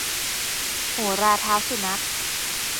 โหราเท้าสุนัข